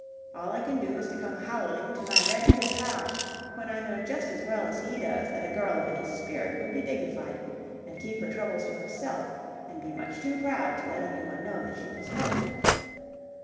All I can do is to come howling to my redheaded pal, when I know just as well as he does that a girl of any spirit would be dignified and keep her troubles to herself and be much too proud to let anyone know that she was hurt.